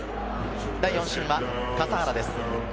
第４審は笠原です。